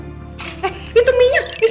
eh itu minyak